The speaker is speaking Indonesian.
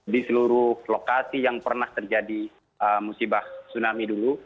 di seluruh lokasi yang pernah terjadi musibah tsunami dulu